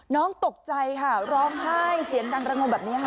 ตกใจค่ะร้องไห้เสียงดังระงมแบบนี้ค่ะ